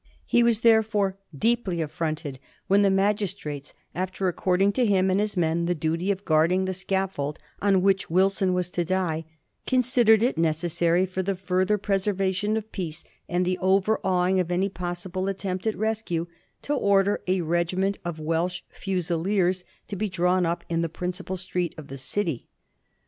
He was therefore deeply af fronted when the magistrates, after according to him and his men the duty of guarding the scaffold on which Wil son was to die, considered it necessary for the further preservation of peace and the overawing of any possible attempt at rescue to order a regiment of Welsh f usileers to be drawn up in the principal street of the city.